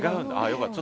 よかった。